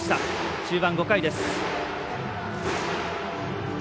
中盤５回です。